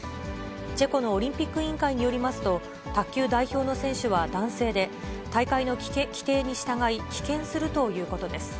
チェコのオリンピック委員会によりますと、卓球代表の選手は男性で、大会の規定に従い棄権するということです。